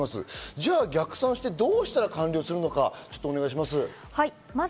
じゃあ逆算してどうしたら完了するのかお願いします。